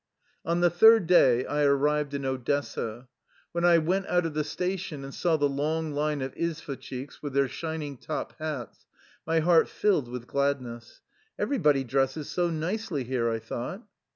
On the third day I arrived in Odessa. When I went out of the station and saw the long line of izvoshchiks ^ with their shining top hats, my heart filled with gladness. " Everybody dresses so nicely here/' I thought.